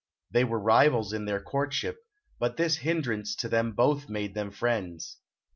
They were rivals in their courtship, but this hindrance to them both made them friends.